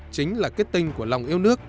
chính là kết tinh của lòng yêu nước